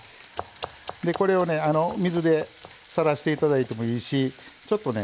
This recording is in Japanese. これを水でさらしていただいてもいいしちょっとね